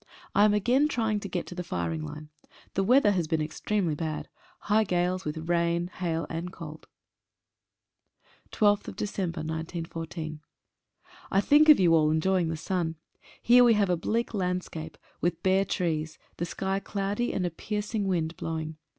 I am again try ing to get to the firing line. The weather has been ex tremely bad — high gales, with rain, hail, and cold. n 12/12/14. 3 THINK of you all enjoying the sun. Here we have a bleak landscape, with bare trees, the sky cloudy, and a piercing wind blowing.